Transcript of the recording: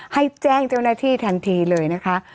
ให้แจ้งเจ้าหน้าที่ทันทีเลยนะคะ